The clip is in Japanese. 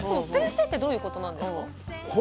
それはどういうことなんですか。